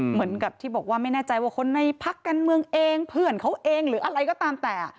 เหมือนกับที่บอกว่าไม่แน่ใจว่าคนในพักการเมืองเองเพื่อนเขาเองหรืออะไรก็ตามแต่